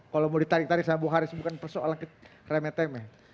kalau mau ditarik tarik sama bu haris bukan persoalan remeh temeh